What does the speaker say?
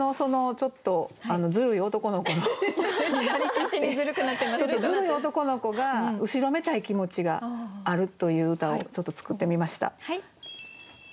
ちょっとずるい男の子が後ろめたい気持ちがあるという歌をちょっと作ってみました。